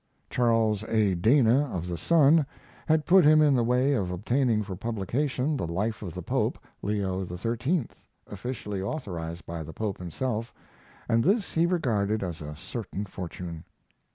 Charles A. Dana, of the Sun, had put him in the way of obtaining for publication the life of the Pope, Leo XIII, officially authorized by the Pope himself, and this he regarded as a certain fortune.